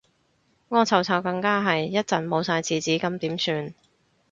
屙臭臭更加係，一陣冇晒廁紙咁點算